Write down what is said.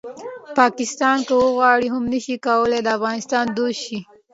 پاکستان که وغواړي هم نه شي کولی د افغانستان دوست شي